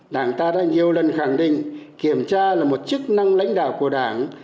đảng ta đã nhiều lần khẳng định kiểm tra là một chức năng lãnh đạo của đảng